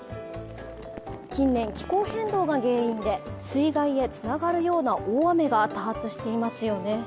近年、気候変動が原因で水害へつながるような大雨が多発していますよね。